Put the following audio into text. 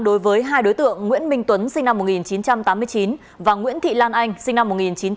đối với hai đối tượng nguyễn minh tuấn sinh năm một nghìn chín trăm tám mươi chín và nguyễn thị lan anh sinh năm một nghìn chín trăm tám mươi